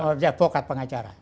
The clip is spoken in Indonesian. oh jadi advokat pengacara